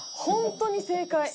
本当に正解。